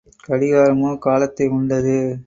கடிகாரமோ காலத்தை உண்டது.